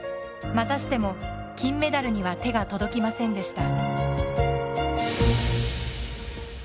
またしても金メダルには手が届きませんでした。